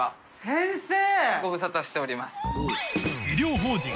先生！